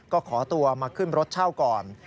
ก็ขอตัวมาขึ้นรถเช่าก่อน